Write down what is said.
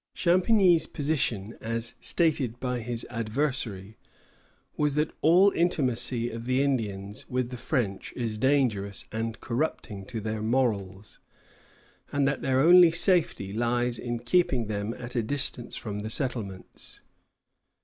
" Champigny's position, as stated by his adversary, was that "all intimacy of the Indians with the French is dangerous and corrupting to their morals," and that their only safety lies in keeping them at a distance from the settlements.